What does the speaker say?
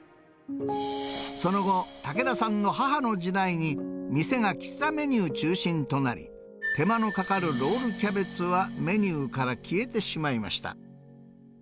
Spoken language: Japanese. その後、竹田さんの母の時代に、店が喫茶メニュー中心となり、手間のかかるロールキャベツはメニューから消えてしまいました。